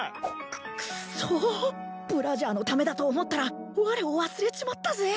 ククソブラジャーのためだと思ったらわれを忘れちまったぜ